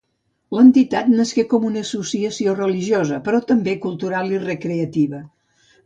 L'entitat nasqué com una associació religiosa, però també cultural i recreativa.